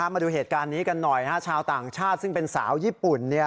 มาดูเหตุการณ์นี้กันหน่อยชาวต่างชาติซึ่งเป็นสาวญี่ปุ่น